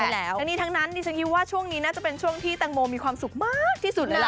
ทั้งนี้ทั้งนั้นดิฉันคิดว่าช่วงนี้น่าจะเป็นช่วงที่แตงโมมีความสุขมากที่สุดเลยล่ะ